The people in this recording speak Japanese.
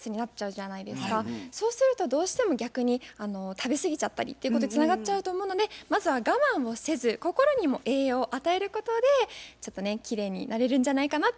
そうするとどうしても逆に食べすぎちゃったりっていうことにつながっちゃうと思うのでまずは我慢をせず心にも栄養を与えることでちょっときれいになれるんじゃないかなっていうふうに思ってます。